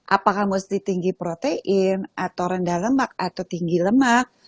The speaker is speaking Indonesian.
apakah mesti tinggi protein atau rendah lemak atau tinggi lemak